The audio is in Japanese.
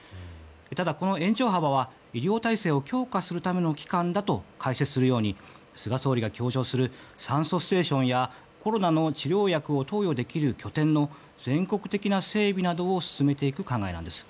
ただ、この延長幅は医療体制を強化するための期間だと解説するように菅総理が強調する酸素ステーションやコロナの治療薬を投与できる拠点の全国的な整備などを進めていく考えなんです。